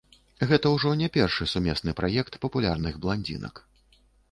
Гэта ўжо не першы сумесны праект папулярных бландзінак.